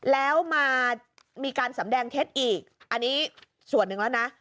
แล้วมามีการสำแดงเท็จอีกอันนี้ส่วนหนึ่งแล้วนะ